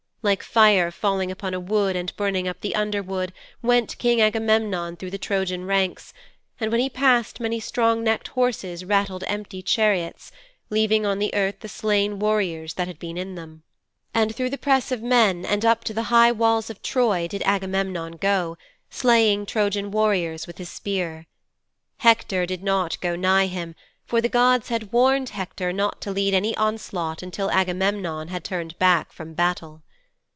Like fire falling upon a wood and burning up the underwood went King Agamemnon through the Trojan ranks, and when he passed many strong necked horses rattled empty chariots, leaving on the earth the slain warriors that had been in them. And through the press of men and up to the high walls of Troy did Agamemnon go, slaying Trojan warriors with his spear. Hector did not go nigh him, for the gods had warned Hector not to lead any onslaught until Agamemnon had turned back from battle.'